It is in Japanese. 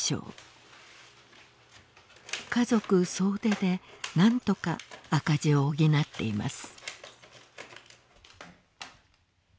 家族総出でなんとか赤字を補っています。